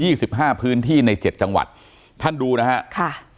สิบห้าพื้นที่ในเจ็ดจังหวัดท่านดูนะฮะค่ะ